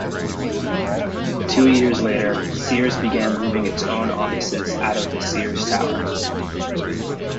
Two years later, Sears began moving its own offices out of the Sears Tower.